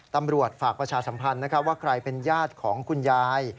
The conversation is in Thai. ตำรวจฝากประชาสัมพันธ์ว่าใครเป็นญาติของคุณยาย